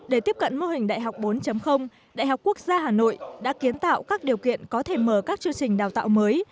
để tiếp cận mô hình đại học bốn đại học quốc gia hà nội đã kiến tạo các điều kiện có thể mở các chương trình đào tạo mới